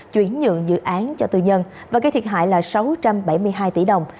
chuyển nhượng dự án cho tư nhân và gây thiệt hại là sáu trăm bảy mươi hai tỷ đồng